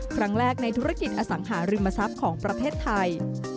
ครั้งแรกในธุรกิจอสังหาริมทรัพย์ของประเทศไทย